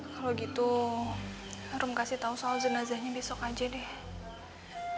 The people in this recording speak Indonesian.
kalau gitu harum kasih tahu soal jenazahnya besok aja deh